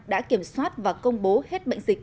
đã kiểm soát và công bố hết bệnh dịch